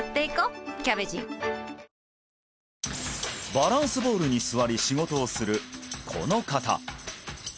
バランスボールに座り仕事をするこの方